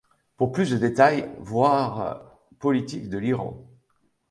Pour plus de détails, voir Politique de l'Iran.